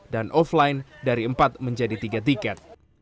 dan offline dari empat menjadi tiga tiket